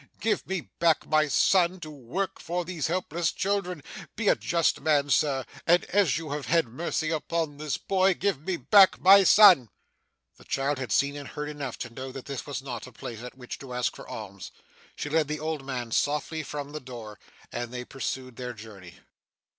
Give me back my son, to work for these helpless children. Be a just man, Sir, and, as you have had mercy upon this boy, give me back my son!' The child had seen and heard enough to know that this was not a place at which to ask for alms. She led the old man softly from the door, and they pursued their journey.